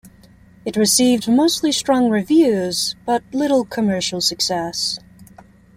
It received mostly strong reviews but little commercial success.